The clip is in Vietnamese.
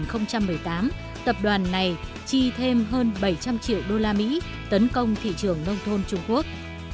năm hai nghìn một mươi tám tập đoàn này chi thêm hơn bảy trăm linh triệu usd tấn công thị trường nông thôn trung quốc